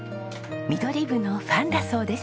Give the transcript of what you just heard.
ミドリブのファンだそうです。